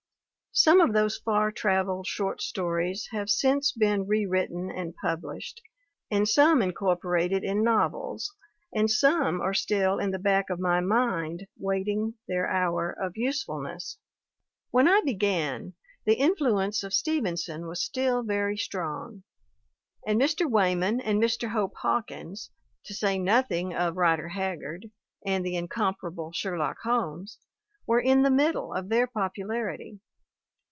Some of those far traveled short stories have since been re written and published, and some incorporated in nov 182 THE WOMEN WHO MAKE OUR NOVELS els, and some are still in the back of my mind wait ing their hour of usefulness. When I began, the in fluence of Stevenson was still very strong, and Mr. Weyman and Mr. Hope Hawkins, to say nothing of Rider Haggard and the incomparable Sherlock Holmes, were in the middle of their popularity.